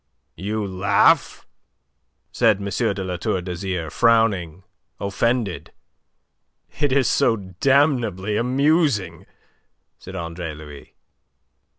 "You laugh?" said M. de La Tour d'Azyr, frowning, offended. "It is so damnably amusing," said Andre Louis.